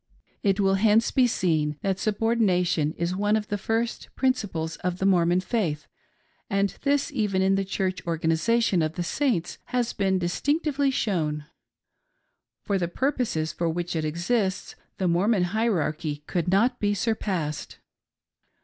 It will hence be seen that subordination is one of the first principles of the Mormon faith, and this even in the Church organisation of the Saints has been distinctively shown. For the purposes for which it exists the Mormon hierarchy could not be surpassed.